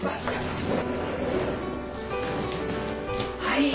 はい。